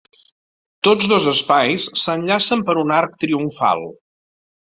Tots dos espais s'enllacen per un arc triomfal.